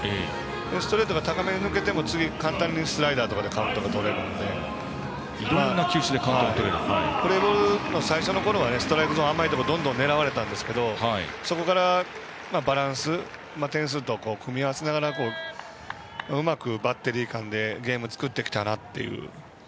ストレートが高めに抜けても次に簡単にスライダーとかでいろんな球種でカウントがとれる。最初のころはストライクゾーンの甘いところをどんどん狙われたんですけどそこからバランス点数とかと組み合わせながらうまくバッテリー間でゲームを作ってきたなと。